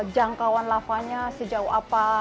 jangkauan lavanya sejauh apa